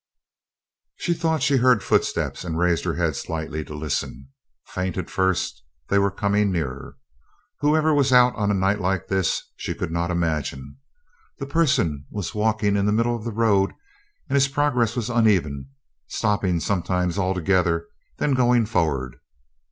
She thought she heard footsteps and raised her head slightly to listen. Faint at first, they were coming nearer. Whoever was out a night like this, she could not imagine. The person was walking in the middle of the road and his progress was uneven, stopping sometimes altogether, then going forward.